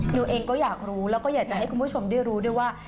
หนูเองก็อยากรู้แล้วก็อยากจะให้คุณผู้ชมได้รู้ด้วยว่า